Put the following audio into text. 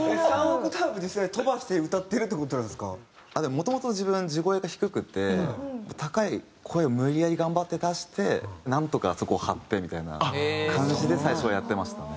もともと自分地声が低くて高い声を無理やり頑張って出してなんとかそこを張ってみたいな感じで最初はやってましたね。